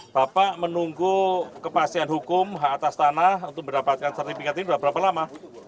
bapak menunggu kepastian hukum hak atas tanah untuk mendapatkan sertifikat ini sudah berapa lama